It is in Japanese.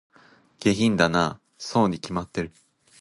下品だなぁ、そうに決まってる